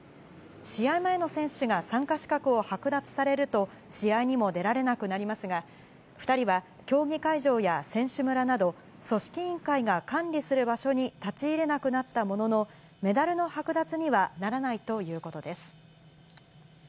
試合前の選手が参加資格を剥奪されると、試合にも出られなくなりますが、２人は競技会場や選手村など、組織委員会が管理する場所に立ち入れなくなったものの、メダルの剥奪にはならないということです。